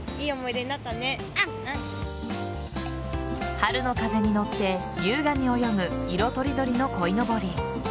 春の風に乗って優雅に泳ぐ色とりどりのこいのぼり。